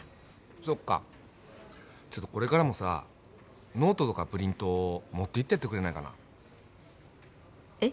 そっかちょっとこれからもさノートとかプリント持っていってやってくれないかなえっ？